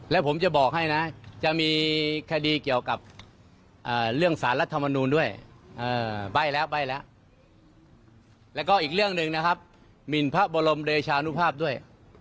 แล้วก็อีกเรื่องหนึ่งนะครับหมินพระบรมเดชานุภาพด้วย